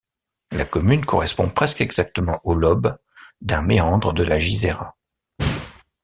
La commune correspond presque exactement au lobe d'un méandre de la Jizera.